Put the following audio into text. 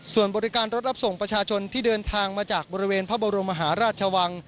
ส่วนบริการรถรับส่งประชาชนที่เดินทางมาจากบริเวณพระบรมมหาราชวัง